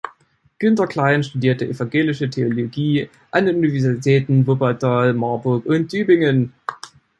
Günter Klein studierte evangelische Theologie an den Universitäten Wuppertal, Marburg und Tübingen.